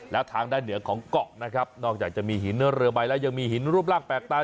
แล้วทางด้านเหนือของเกาะนะครับนอกจากจะมีหินเรือใบแล้วยังมีหินรูปร่างแปลกตา